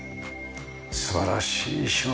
素晴らしい仕事。